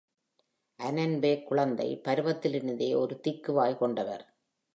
Annenberg குழந்தை பருவத்திலிருந்தே ஒரு திக்குவாய் கொண்டவர்.